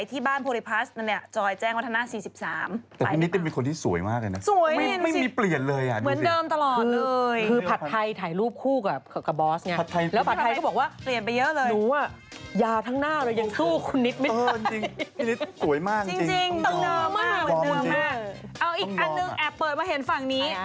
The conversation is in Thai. อีกอันหนึ่งแอบเปิดมาเห็นฝั่งนี้